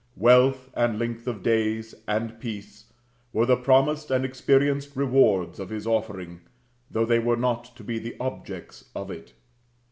Wealth, and length of days, and peace, were the promised and experienced rewards of his offering, though they were not to be the objects of it.